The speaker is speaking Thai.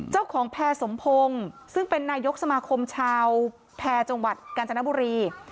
แพร่สมพงศ์ซึ่งเป็นนายกสมาคมชาวแพร่จังหวัดกาญจนบุรี